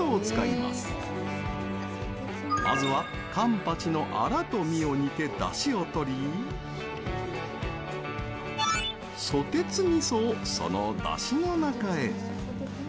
まずは、カンパチのアラと身を煮てだしを取りソテツ味噌をそのだしの中へ。